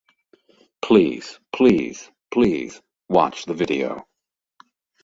Please, please, please, watch the video.